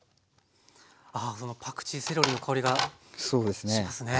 あパクチーセロリの香りがしますね。